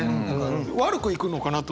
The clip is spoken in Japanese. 悪くいくのかなと。